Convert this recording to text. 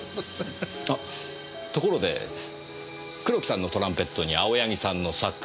ところで黒木さんのトランペットに青柳さんのサックス。